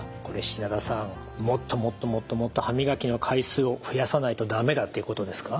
もっともっともっともっと歯磨きの回数を増やさないと駄目だっていうことですか？